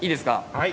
はい。